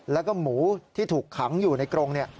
แล้วก็หมูที่ถูกขังอยู่ในกรง